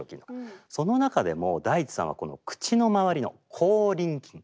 その中でもＤａｉｃｈｉさんはこの口のまわりの口輪筋